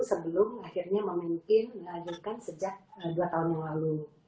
sebelum akhirnya memimpin mengajarkan sejak dua tahun lalu